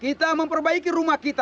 kita memperbaiki rumah kita